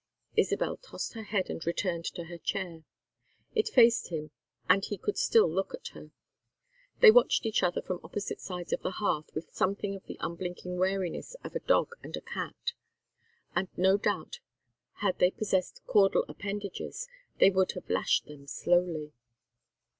Isabel tossed her head and returned to her chair. It faced him and he could still look at her. They watched each other from opposite sides of the hearth with something of the unblinking wariness of a dog and a cat, and no doubt had they possessed caudal appendages they would have lashed them slowly.